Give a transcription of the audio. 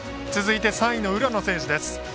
続いて３位の浦野選手です。